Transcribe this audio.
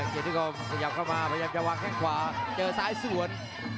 เกดิคอมสม่ำเข้ามาระยับจะวางแข็งขวาเจอที่ซ้ายส่วน